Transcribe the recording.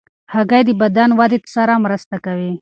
هګۍ د بدن ودې سره مرسته کوي.